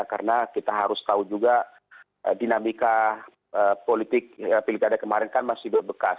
karena kita harus tahu juga dinamika politik yang kita ada kemarin kan masih berbekas